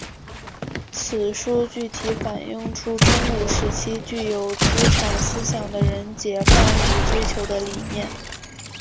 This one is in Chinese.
此书具体反映出中古时期具有资产思想的人解放与追求的理念。